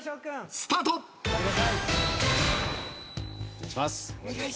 お願いします。